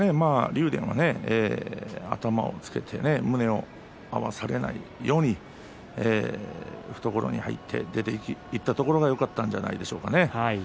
竜電は頭をつけて胸を合わされないように懐に入って出ていったところがよかったんじゃないでしょうか。